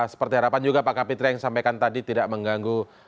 seperti harapan juga pak kapitra yang sampaikan tadi tidak mengganggu